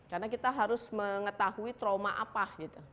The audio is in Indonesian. karena kita harus mengetahui trauma apa gitu